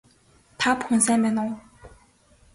Та бүхэн сайн байна уу